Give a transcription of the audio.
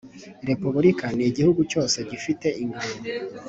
Repubulika ni igihugu cyose gifite ingabo